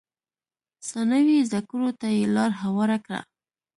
ثانوي زده کړو ته یې لار هواره کړه.